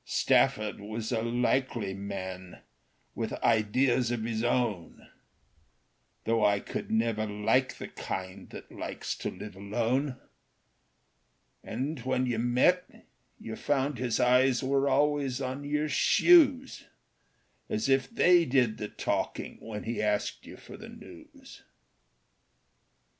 "Stafford was a likely man with ideas of his own Though I could never like the kind that likes to live alone; And when you met, you found his eyes were always on your shoes, As if they did the talking when he asked you for the news.